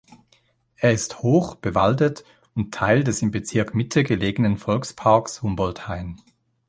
Er ist hoch, bewaldet und Teil des im Bezirk Mitte gelegenen Volksparks Humboldthain.